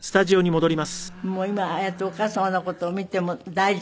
もう今ああやってお母様の事を見ても大丈夫？